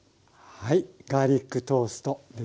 はい。